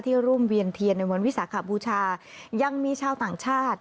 ร่วมเวียนเทียนในวันวิสาขบูชายังมีชาวต่างชาติ